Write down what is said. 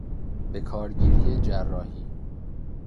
به کارگیری جراحی